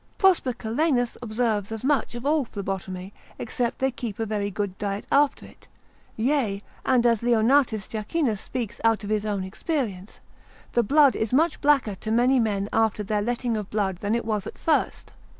Prosper Calenus observes as much of all phlebotomy, except they keep a very good diet after it; yea, and as Leonartis Jacchinus speaks out of his own experience, The blood is much blacker to many men after their letting of blood than it was at first.